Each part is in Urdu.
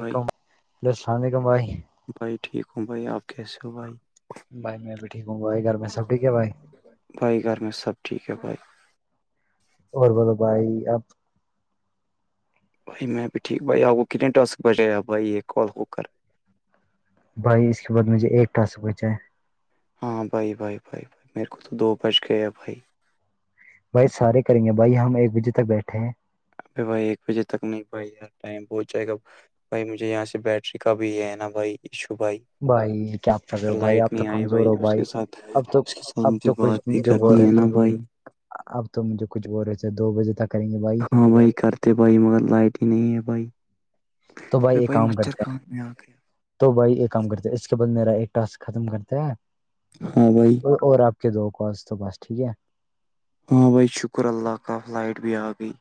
بھائی لسانی کموائی بھائی ٹھیک ہوں بھائی آپ کیسے ہو بھائی بھائی میں بھی ٹھیکوں بائی گھر میں سب ٹھیک ہے بھائی بھائی گھر میں سب ٹھیک ہے بھائی اور بول بھائی اپ بھائی میں بھی ٹھیک بھائی آپ کو کتنے ٹسک بجے آ بائی یہ کال ہو کر بھائی اس کے بعد مجھے ایکٹا س کچ ہے ہاں بھائی بھائی بھائی بھائی میرے کو تو دو بچ گئے بھائی بھائی سارے کریں گے بھائی ہم ایک بجے تک بیٹھے ہیں بھائی ایک بجے تک نہیں بھائی یار ٹائم پہنچ جائے گا بھائی مجھے یہاں سے بیٹری کا بھی ہے نا بھائی ایشو بھائی بھائی کیا آپ کر رہے ہو بھائی لائٹ آپ تو نہیں آئی کمزور بھائی ہو اس کے ساتھ اب تو اس کے ساتھ اب مجھے تو بات کچھ مجھے فقت بول نہیں رہے ہے نا تھے بھائی اب تو مجھے کچھ بول رہے تھے دو بجے تک کریں گے ہاں بھائی کرتے بھائی مگر لائٹ ہی نہیں ہے بھائی تو ایک بھائی کام مچھر کرتے ہیں خان اں کے تو بھائی ایک کام کرتے ہیں اس کے بعد میرا ایک ٹاسک ختم کرتا ہے ہاں بھائی اور آپ کے دو کال تو بس ٹھیک ہے ہاں بھائی شکر اللہ کاف لائٹ بیا آگئی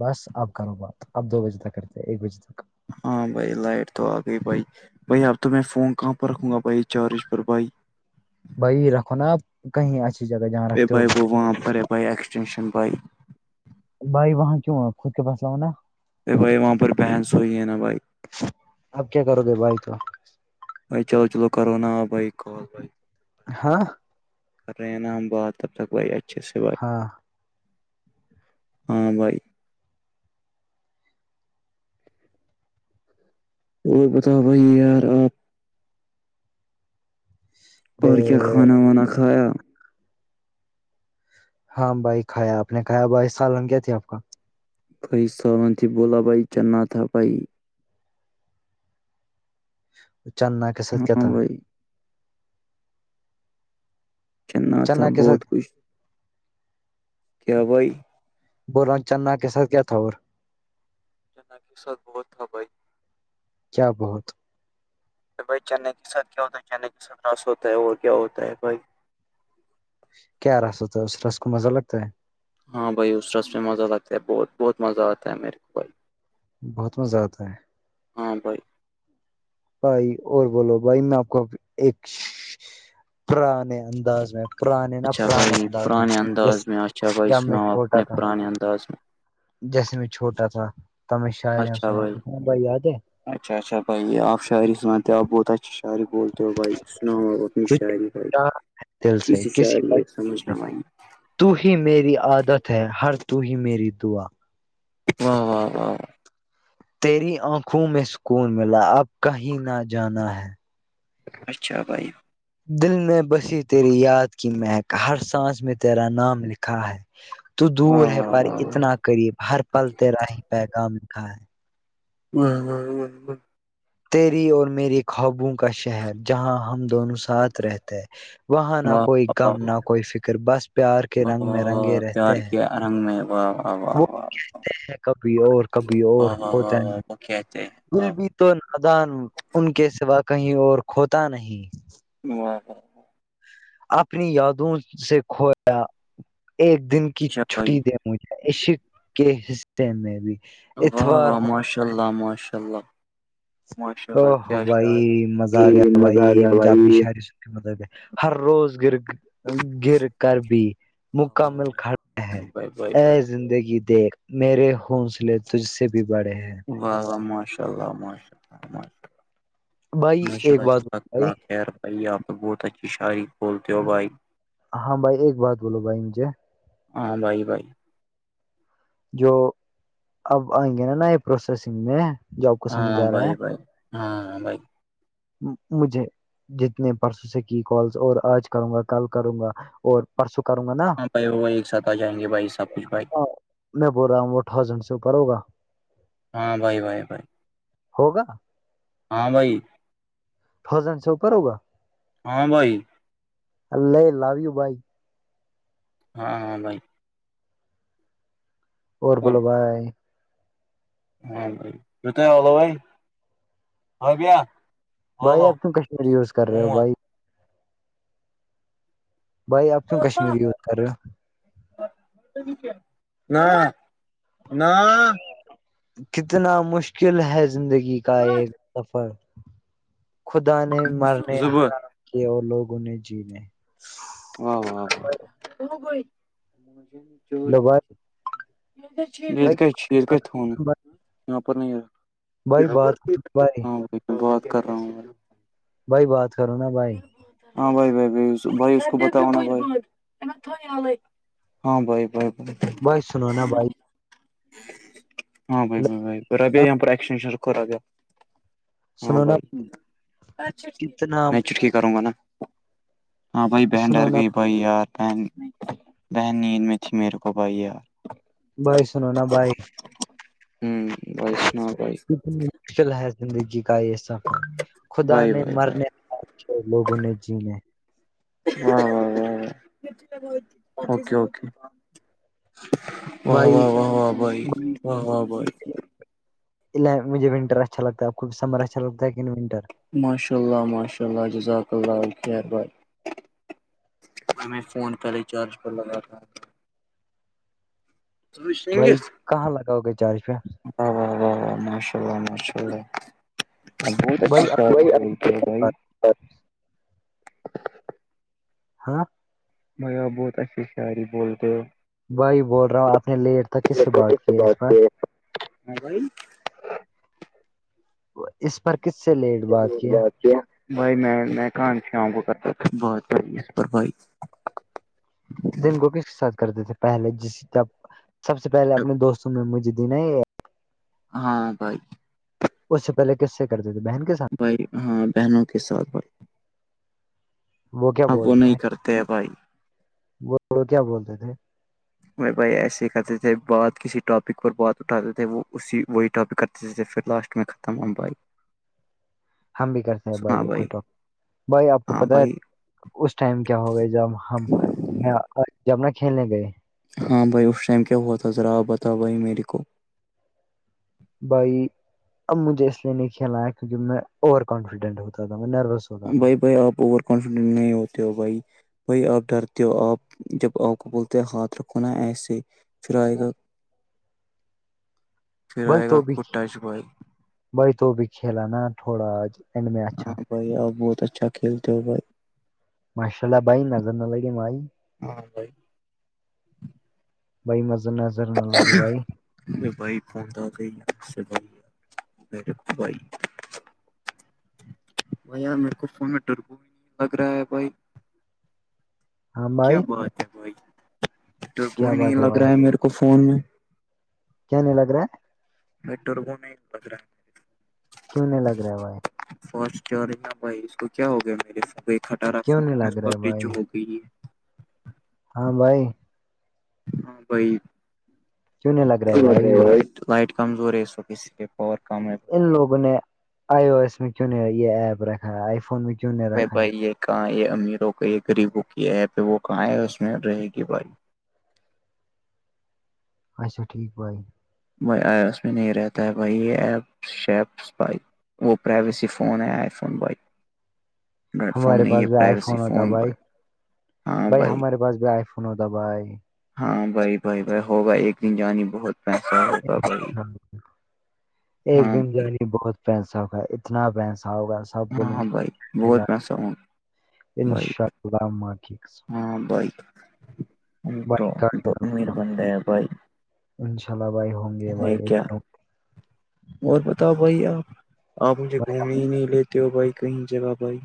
بس اپ کرو بات آپ دو بجے تک کرتے ایک بجے تک ہاں بھائی لائٹ تو آ گئی بھائی بھائی اب تو میں فون کہاں پر رکھوں گا بھائی چارج پر بھائی بھائی رکھو نا آپ کہیں اچھی جگہ جہاں ا رکھتے ہو بھائی گے وہ وہاں پر بائے اکسٹینش بائے بھائی وہاں کیوں ہے خود کے پاسلہ ہوناا بھائی وہاں پر بہن سوئی ہے نا بھائی اب کیا کرو گے بھائی تو بھائی چلو چلو کرو نا بھائی کال بھ ہاں باد تب تک بائی اچھے سے بات ہاں ہاں بھائی اور بتاؤ بھائی یار آپ ب اور کیا کھانا وانا کھایا ہاں بھائی کایا آپ نے کایا بھائی سال رنگ کیا تھی آپ کا کئی سالن تھی بولا بھائی چنا تھا بھائی چنائی ہاں بھائی چلنا تھا چنا کے بہت ساتھ کچھ کبئی بول رہ ہوں چنا کے ساتھ کیا تھا اور جنااک سب بہت ہو بائی کیا بہت بھائی چئی کے ساتھ کیا ہوتا ہے چائی کے ساتھ رس ہوتا ہے اور کیا ہوتا ہے بھائی کیا رس ہوتا ہے اس رس کو مزہ لگتا ہے ہاں بھائی اس رس میں مزہ لگتا ہے بہت بہت مزہ آتا ہے میرے کو بھائی بہت مزہ آتا ہے ہاں بائی بھائی اور بولو بھائی میں آپ کو ایک پرانے انداز میں پرانے نہ اچھا پران بھائی انداز میں پرانے جس انداز میں اچھا بھائی ج میں سناؤ چھوٹا اپنے تھا پرانے انداز میں جیسے میں چھوٹا تھا ت میں شاعر اچھا بھائی سناتا تھا یاد ہے اچھا اچھ بھائی آپ شعری سان آپ بہت اچھا شاعری بولتے ہو بھائی سنا ہو اپنی شاعری بھائی تجھے دل جی سے ہے سر کسی یہ وجہ سے، سمجھنا بھائی تو ہی میری عادت ہے ہر تو ہی میری دعا ہاں تیری آنکھوں میں سکون ملا اب کہیں نہ جانا ہے اچھا بھائی دل میں بسی تیری یاد کی مہک ہر سانس میں تیرا نام لکھا ہے تو دور واہ ہے واہ واہ پر واہ واہ واہ اتنا قریب ہر پل تیرا ہی پیغامکھا ہے ہ ہ ہ تیری اور میری خوابوں کا شہر جہاں ہم دونوں ساتھ رہتے ہیں وہاں نہ کوئی واہ غم نہ کوئی فکر بس پیار کے رنگ میں رنگے رہتے ہیں رگ میں واہ واہ وہ واہ کہتے ہیں کبھی اور کبھی اور واہ واہ واہ ہوتا ہے واہ وہ کہتے ہیں دل واہ بھی تو نادان ان کے سوا کہیں اور کھوتا نہیں ہاں اپنی یادوں سے کھویا ایک دن کی اچھا بھائی چھٹی مجھ کے حتے بھی واہ اتوار ہو واہ ماشاء اللہ ماشاء اللہ ماشاء او اللہ ہو کیا بھائی شاعر ہے مزہ جی آ گیا بھائی مزہ آ گیا مجھے بھائی آپنی شاعری مطلب کہ ہر روز گر گر کر بھی واہ مکمل کھڑا ہے بھائی بھائی اے بھائی زندگی دیکھ میرے حونصلے تج سے بھی بڑے ہیں واہ واہ ماشاء اللہ ماشاء اللہ ماشاء اللہ بھائی ماشاء ایک بات جزاک بھائی اللہ خیر بھائی آپ بہت اچھی شاع بولتے ہو بھائی ہاں بھائی ایک بات بولو بھائی مجھے ہاں بھائی بھائی جو اب آئیں گے نا نا یہ پروسیسنگ میں جو آپ کو سمجھ ہاں آ رہا بھائی ہے بھائی ہاں بھائی مجھے جتنے پرسوں سے کی کالس اور آج کروں گا کل کروں گا اور پرسوں کروں گا نا ہاں بھائی وہ ایک ساتھ آ جائیں گے بھائی سب کچھ بھائی میں بول رہا ہوں وہ تھاؤزنڈ سے اوپر ہوگا ہاں بھائی بھائی بھائی ہوگا ہاں بھائی حزن سے اوپر ہوگا ہاں بھائی اللہ اللہاویو بھائی ہاں ہاں بھائی اور بولو بھائی ہاں بھائیت والو بھائی ہاں کیا بھائی آپ تم کشمیری یوز کر رہے ہو مول بائی بھائی آپ کیوں کشمیر کییوز کر رہے ہو نہ کتنا مشل کل ہے زندگی کا ایک سفر خدا نے مرنے زٕ بہہ حرام کیے اور لوگوں نے جینے و و و ہیلو بھائی م یہ بھائی ک یہ بھائی بات بھائی ہاں بات کر رہا ہوں بھائی بات کرو نا بھائی ہاں بائی بھائی بائی بائی بتا ہاں بائی بائے بھائی سنو نا بھائی ہاں بھائی بائی بھائی پ ابھی یہاں پر ایکسٹینشن کرا گیا ہاں سنو نا بھائی کتنا میں چٹکی کروں گا نا ہاں بھائی بنڈار سنو گ نا بائی ارہ بہد م میرے کو بھائی یار بائے سنوناا بائے ہوں بھائی سنا بھائی مل ہے زندگی کا یہ سب خدا بھائی نے بھائی بھائی مرنے اچ لوگوں نے جینے ہاںکےوکے واہ بھائی واہ واہ واہ بھائی واہ واہ بھائی مجےنٹر اچھا لگتا ہے آپ کو سمر اچھا لگتا ہےن ونٹر ماشاء اللہ ماشاء اللہ جزاک اللہ خیر بائے ہمیں فون کا ریچارج کر لگات تھا بھائی کہاں لگاؤ گے چارج پہ واہ واہ واہ واہ ماشاء اللہ ماشاء اللہ بھائی ج بائی ہاں بپ بہت اچھھی سےیاری بولتے ہو بھائی بول رہا ہوں آپ نے لیٹ تھاک کس سے بات کیا ہے اس پرار موبائل اس پر کس سے لے چلو بات کیا بھائی میں میں کہاں سےں گ ت بہت پر بھائی کو کس کے ساتھ کرتے تھے پہلے جب سب سے پہلے اپنے دوستوں میں مجھے دن ہاں بھائی اس سے پہل کس سے کرتے تھے بہن کے سات بہنوں کے سھ بائی وہ کیا اب بولتے نہیں تھے کرتے ہیں بھائی وہ وہ کیا بولتے تھے میں بھائی ایسے کرتے تھے بات کسی ٹاپک پر بات اٹھاتے تھے وہ اسی وہی ٹاپک کرتے ج پھر لاسٹ میں ختم ہبھائی ہم بھی کرتے ہیں بھائی کوئی بھائی آپ کو ہاں پت ہے بھائی اس ٹائم کیا ہو گئے جب ہم جب ن کھیلنے گئے ہاں بھائی اس ٹائم کیا ہوا تھا ذرا بتاؤ بھائی میرے کو بھائی اب مجھے اس لیے نہیں کھیلنا ہے کیونکہ میں اوور کانفیڈنٹ ہوتا تھا میں نروس ہوتا تھا بھائی بھائی آپ اوور کانفیڈنٹ نہیں ہوتے ہو بھائی بھائی آپ ڈرتے ہو آپ جب آپ کو بولتے ہیں ہاتھ رکھو نا ایسے پھر آئے گا [unintelligible] پھر بی آئے تو گا بھی خود ٹچ بھائی بی تو بھی کھیلا نا تھوڑا اینڈ میں اچھا ہاں بھائی آپ بہت اچھا کھیلتے ہو بھائی ماشاء اللہ بھائی نظر نہ لگی مائی ہاں بھائی بھئی م [unintelligible] میں بھائی پتا گ بائی مے بھائی بھائی یار میرے کو فون میں ڈرب بھی نہیں لگ رہا ہے بھائی ہاں کیا بھائی بات ہے بھائی تو کیا کوئی نہیں بات لگ بھائی رہا ہے میرے کو فون میں کیان لگ رہا مٹور کون پر کیوں نہیں لگ رہا ہوا ہے فسٹ چارج ن بھائی اس کو کیا ہو گیا میرے ف ایک ہٹارا کیوں فون نہیں میں اس لگ رہا ہے چ بھائی ہو گئی ہے ہاں بھائی ہاں بائی کیوں نہیں لگ رہا ہے بھائی لائٹ کمزور ہے اس ک لیے پاور کم ہے ان بھائی لوگوں نے آئی او ایس میں کیوں یہ ایپ رکھا ہے آئی فون میں کیوں نہیں رکھا بھائی یہ کہاں یہ امیروں کے یہ غریبوں کی پ وہ کہاں ہے اس میں رہے گی بھائی اچھا ٹھیک بائی بھائی آیا اس میں نہیں رہتا ہے بھائی یہ ایپ شیپ بائی وہ پرائیویسی فون ہے آئی فون بائی ہمارے پاس بھی آئی فون ہوتا بھائی بھائی ہمارے پاس بھی آئی فون ہوتا بھائی ہاں بھائی بھائی بھائی ہوگا ایک دن جانی بہت پیسہ ہوگا بھائی انشاء اللہ ایک ہاں دن جانیے بہت پینسا ہوگا اتنا پیسہ ہوگا سب ہاں ہاں بھائی بہت میںسا ہوں بھائی انشاء اللہ کیس ہاں بائےک تو بھائی امیر بن رہے ہیں بھائی انشاء اللہ بیہم کیا اور بتاؤ بھائی آپ آپ مجھے بھائی اب گھومنے ہی نہیں لیتے توو بھائی کہیں با بھائی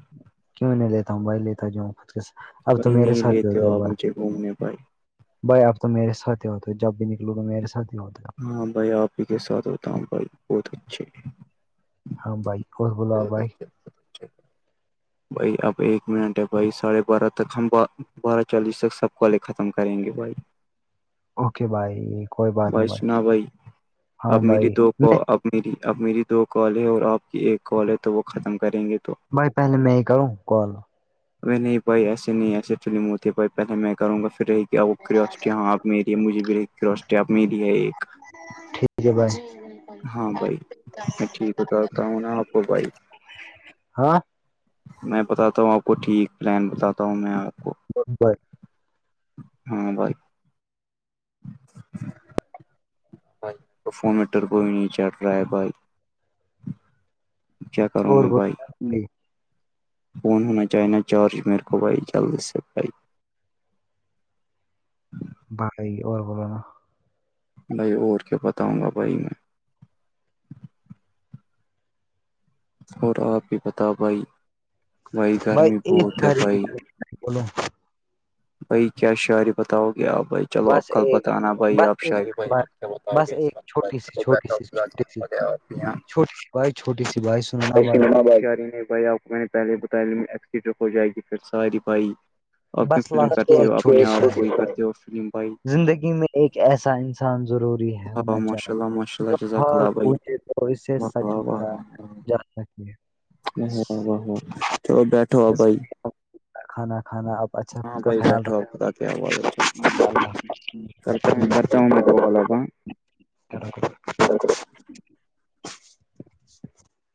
کیوں نہیں لیتا ہوں ببائی لیتا جو خود کے اب تو میرے سات ہی ہوتے اب گومنے بائی بھائی اب تو میرے سات ہی ہوتے ہے جب بھی نکلو گا میرے سات ہی ہوتا ہے ہاں بھائی آپ ہی کے ساتھ ہوتا ہوں بائی بہت اچھے ہاں بھائی اس بلا بہت بھائی اچھے اچھے بھائی اب ایک منٹ ہے بھائی ساڑھے بارہ تک ہم بارہ چالیس تک سب کالے ختم کریں گے بھائی اوکے بائی بھائی سنا بھائی ہاں اب بھائی میری تو میں اب میری اب میری دو کال ہے اور آپ کی ایک کال ہے تو وہ ختم کریں گے تو بھائی پہلے میں ہی کروں کال میں نہیں پائی ایسے نہیں ایسے چلی موتی ہے پھائی پہلے میں کروں گا پھر رہی کیا وہ کراسٹی یہاں آپ میری ہے مجھے بھی کراسٹی آپ میری ہے یہ ٹھیک ہے بھائی ہاں بھائی میں ٹھیک ب کرتا ہوں نا آپ کو بھائی ہاں میں بتاتا ہوں آپ کو ٹھیک پلان بتاتا ہوں میں آپ کو بائے ہاں بھائی بھائی پرفومیٹر کوئی نہیں چڑھ رہا ہے بھائی کیا کروں اور میں بت بھائی فون ہونا چاہ نا چارج میرے کو بھائی جلدی سے بھائی بائی اور بول نا بھائی اور کیا بتاؤں گا بھائی میں اور آپ بھی بتا بھائی بھائی گرمی بہت ہے بھائی بولے بھائی کیا شعاری بتاؤ گے آپ بھائی چلو آپ بس کل ایک بتانا بھائی بس آپ شہری ایک بھائی بات، آپ کیا بتؤ بس گے اس ایک وقت چھوٹی سی سا چھوٹی سی چھوٹی سی چھوٹی سی بھائی چھوٹی سی بھائی سنو نا بھائی گاری نہیں بھائی آپ میں نے پہلے بتایا ایکسیڈر ہو جائے گی پھر ساری بھائی آپ کی بس فلم لاسٹ کے کرتے ہو ایک چھوٹی اپنے سی آپ شاعری کو کرتے ہو فلم بھائی زندگی میں ایک ایسا انسان ضرور ہاں ہونا چاہے ماشاء اللہ ماشاء جو اللہ جزاک اللہ بھائی پوھے تو اسے واہ سچ واہ واہ بتا ج سک بیٹھو آ بس بھائی کھانا کھانا آپ اچھا خود ہاں کا بھائی خیال بیٹھو آپ خدا کے حوالے چلو رکھ کرتا ہوپ